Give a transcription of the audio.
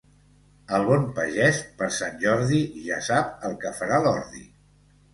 El bon pagès, per Sant Jordi, ja sap el que farà l'ordi.